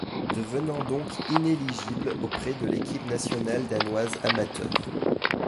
Devenant donc inéligible auprès de l'équipe nationale danoise amateur.